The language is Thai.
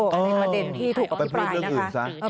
อันนี้ประเด็นที่ถูกอภิปรายนะคะ